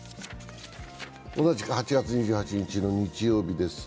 同じく８月２８日の日曜日です。